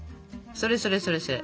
それそれそれそれ。